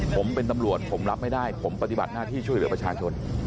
ผมเป็นตำรวจผมรับไม่ได้ผมปฏิบัติหน้าที่ช่วยเหลือประชาชน